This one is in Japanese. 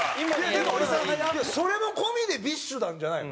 でもそれも込みでＢｉＳＨなんじゃないの？